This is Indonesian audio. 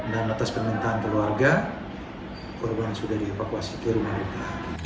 dan atas permintaan keluarga korban sudah dievakuasi ke rumah luka